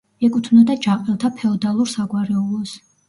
ეკუთვნოდა ჯაყელთა ფეოდალურ საგვარეულოს.